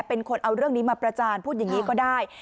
เป็นคนเอาเรื่องนี้มาประจานพูดอย่างนี้ก็ได้